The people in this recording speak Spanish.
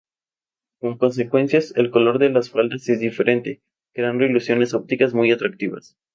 Como consecuencias el color de las faldas es diferente, creando ilusiones ópticas muy atractivas.